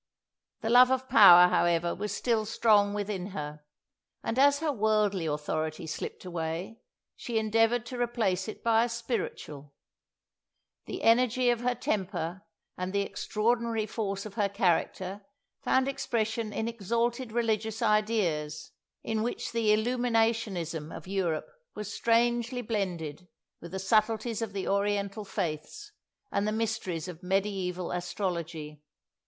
The love of power, however, was still strong within her, and as her worldly authority slipped away, she endeavoured to replace it by a spiritual. The energy of her temper and the extraordinary force of her character found expression in exalted religious ideas, in which the "illuminationism" of Europe was strangely blended with the subtleties of the Oriental faiths and the mysteries of mediæval astrology.